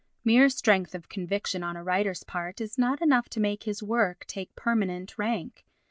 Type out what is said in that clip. Mere strength of conviction on a writer's part is not enough to make his work take permanent rank.